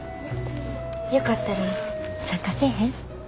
よかったら参加せえへん？